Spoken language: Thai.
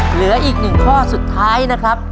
เหลืออีกหนึ่งข้อสุดท้ายนะครับ